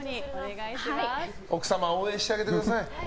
奥様応援してあげてください。